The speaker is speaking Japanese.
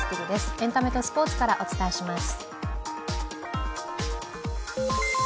エンタメとスポーツからお伝えします。